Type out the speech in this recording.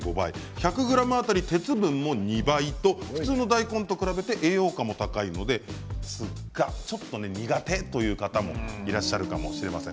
１００ｇ当たりの鉄分も２倍と普通の大根と比べて栄養価も高いのですがちょっと苦手という方もいるかもしれません。